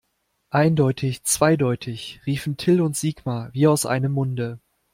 Eindeutig zweideutig, riefen Till und Sigmar wie aus einem Munde.